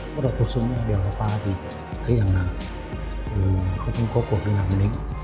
bắt đầu thuộc xuống đèo đạp ba thì thấy rằng là không có cuộc điện thoại mà đánh